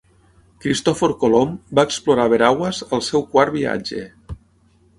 Cristòfor Colom va explorar Veraguas al seu quart viatge.